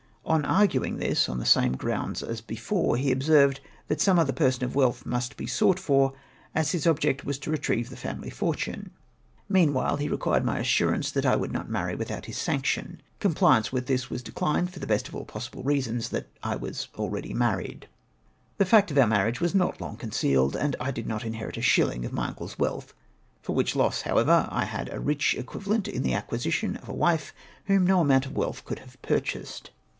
On argumg this, on the same grounds as before, he observed that some other person of wealth must be sought for, as his object was to retrieve the family fortune. Meanwhile he requked my assurance that I would not marry without his sanction. Com pliance with this was dechned for the best of all reasons, that I was already married. The fact of our marriage was not long concealed, and I did not inherit a shilling of my uncle's wealth, for which loss however, I had a rich equivalent in the acquisition of a wife whom no amount of wealth could have purchased.